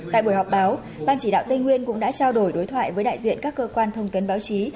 tại buổi họp báo ban chỉ đạo tây nguyên cũng đã trao đổi đối thoại với đại diện các cơ quan thông tấn báo chí